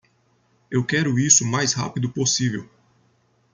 Eu quero isso o mais rápido possível.